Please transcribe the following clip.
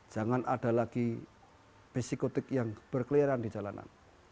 jangan ada lagi psikotik yang berkeliaran di jalanan